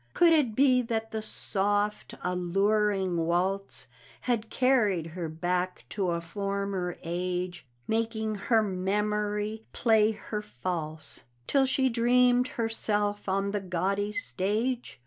Could it be that the soft, alluring waltz Had carried her back to a former age, Making her memory play her false, Till she dreamed herself on the gaudy stage?